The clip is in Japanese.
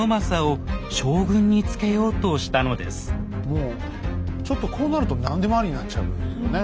もうちょっとこうなると何でもありになっちゃうね。